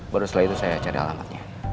baru setelah itu saya cari alamatnya